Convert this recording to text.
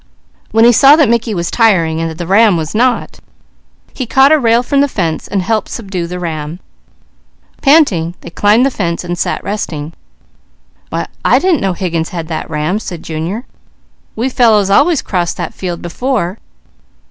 When he saw that Mickey was tiring, and the ram was not, he caught a rail from the fence and helped subdue the ram. Panting they climbed the fence and sat resting. "Why I didn't know Higgins had that ram," said Junior. "We fellows always crossed that field before.